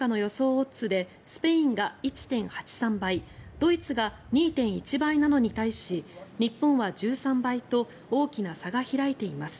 オッズでスペイン１．８３倍ドイツが２．１倍なのに対して日本は１３倍と大きな差が開いています。